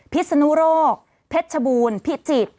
พิศนุโรคเพชรชบูรณ์พิจิตร